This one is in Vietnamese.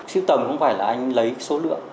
siêu tầm không phải là anh lấy số lượng